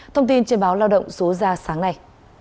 thông tin trên báo lao động số ra sáng nay